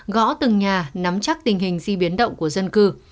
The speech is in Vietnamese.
gõ từng nhà nắm chắc tình hình di biến động của dân cư